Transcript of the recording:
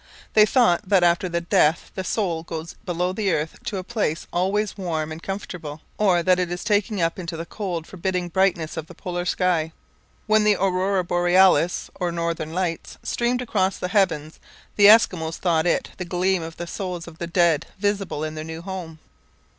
They thought that after death the soul either goes below the earth to a place always warm and comfortable, or that it is taken up into the cold forbidding brightness of the polar sky. When the aurora borealis, or Northern Lights, streamed across the heavens, the Eskimos thought it the gleam of the souls of the dead visible in their new home.